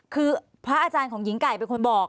คือพระอาจารย์ของหญิงไก่เป็นคนบอก